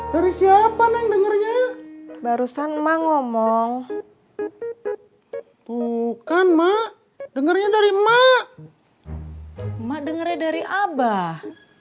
dari siapa yang dengernya barusan emang ngomong bukan mak dengernya dari emak emak denger dari abah